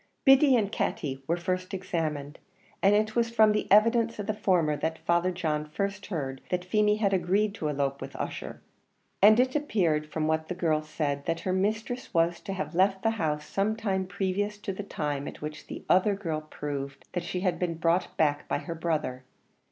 Biddy and Katty were first examined, and it was from the evidence of the former that Father John first heard that Feemy had agreed to elope with Ussher; and it appeared from what the girl said that her mistress was to have left the house some time previous to the time at which the other girl proved that she had been brought back by her brother.